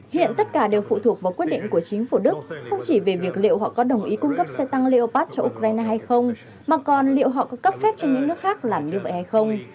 hiện tất cả đều phụ thuộc vào quyết định của chính phủ đức không chỉ về việc liệu họ có đồng ý cung cấp xe tăng liều pass cho ukraine hay không mà còn liệu họ có cấp phép cho những nước khác làm như vậy hay không